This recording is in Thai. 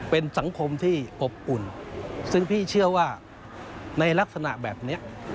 เป็นสังคมที่อบอุ่นซึ่งพี่เชื่อว่าในลักษณะแบบนี้